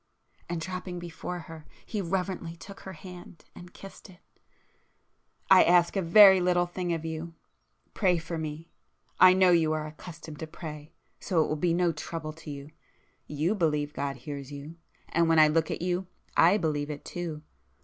—and dropping before her, he reverently took her hand and kissed it—"I ask a very little thing of you,—pray for me! I know you are accustomed to pray, so it will be no trouble to you,—you believe God hears you,—and when I look at you, I believe it too.